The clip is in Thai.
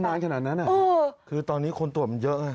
นานขนาดนั้นคือตอนนี้คนตรวจมันเยอะไง